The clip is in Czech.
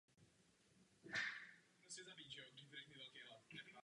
Hrál na housle pod vedením svého otce a záhy vystupoval veřejně.